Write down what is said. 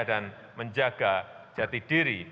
dan menjaga kepentingan pendidikan